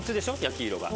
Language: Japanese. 焼き色が。